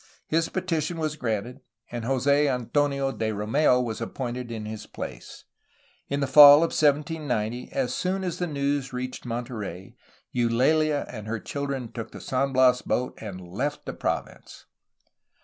His petition was granted, and Jose Antonio de Romeu was appointed in his place. In the fall of 1790, as soon as the news reached Mon terey, Eulalia and her children took the San Bias boat, and left the province.